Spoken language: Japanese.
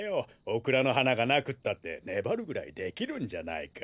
オクラのはながなくったってねばるぐらいできるんじゃないか？